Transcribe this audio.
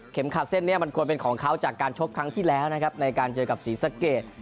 ขาดเส้นนี้มันควรเป็นของเขาจากการชกครั้งที่แล้วนะครับในการเจอกับศรีสะเกด